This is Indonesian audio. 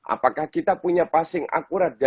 apakah kita punya passing akurat